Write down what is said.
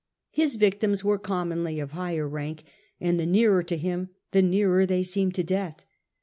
His victims were commonly of higher rank, and the nearer to him the nearer they seemed to death.